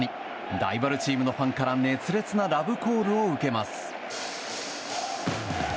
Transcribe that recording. ライバルチームのファンから熱烈なラブコールを受けます。